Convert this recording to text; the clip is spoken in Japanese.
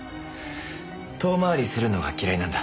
遠回りするのが嫌いなんだ。